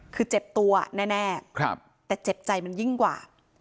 คือเจ็บตัวแน่แต่เจ็บใจมันยิ่งกว่า